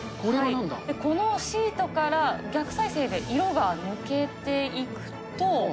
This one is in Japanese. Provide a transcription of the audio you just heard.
このシートから逆再生で色が抜けていくと。